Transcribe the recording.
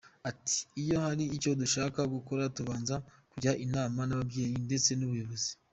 Ati “Iyo hari icyo dushaka gukora tubanza kujya inama n’ababyeyi ndetse n’ubuyobozi.